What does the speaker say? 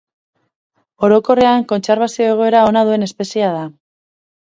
Orokorrean kontserbazio egoera ona duen espeziea da.